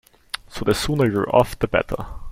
So the sooner you're off, the better.